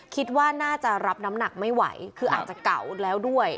คิดว่าน่าจะรับน้ำหนักไม่ไหวคืออาจจะเก่าแล้วด้วย